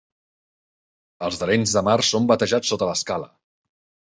Els d'Arenys de Mar són batejats sota l'escala.